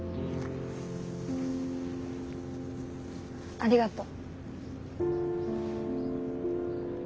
ありがとう。